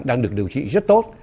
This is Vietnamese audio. đang được điều trị rất tốt